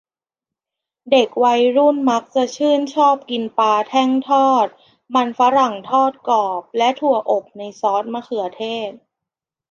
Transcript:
เด็กวัยรุ่นมักจะชื่นชอบกินปลาแท่งทอด มันฝรั่งทอดกรอบ และถั่วอบในซอสมะเขือเทศ